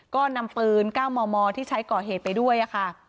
ก็นำปืน๙มมที่ใช้ก่อเหตุไปด้วยค่ะ